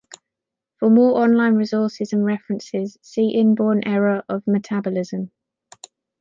For more online resources and references, see inborn error of metabolism.